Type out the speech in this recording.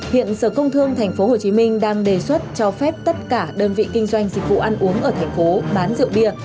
hiện sở công thương tp hcm đang đề xuất cho phép tất cả đơn vị kinh doanh dịch vụ ăn uống ở thành phố bán rượu bia